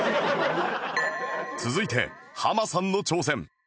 続いてハマさんの挑戦